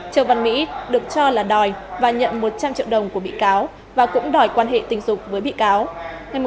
châu văn mỹ được cho là đòi và nhận một trăm linh triệu đồng của bị cáo và cũng đòi quan hệ tình dục với bị cáo